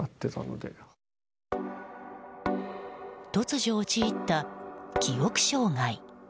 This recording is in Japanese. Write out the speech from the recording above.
突如、陥った記憶障害。